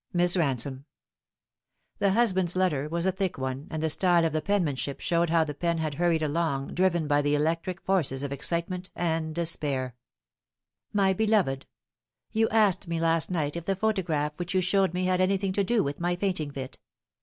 Miss Bansome." The husband's letter was a thick one, and the style of the penmanship showed how the pen had hurried along, driven by the electric forces of excitement and despair :" MY BELOVED, You asked me last night if the photograph which you showed me had anything to do with my fainting fit.